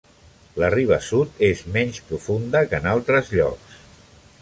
La riba sud és menys profunda que en altres llocs.